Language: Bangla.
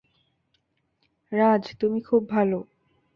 রাজ, তুমি খুব ভালো।